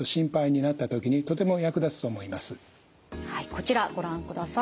こちらご覧ください。